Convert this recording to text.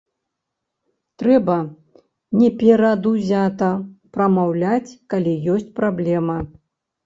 Трэба неперадузята прамаўляць, калі ёсць праблема.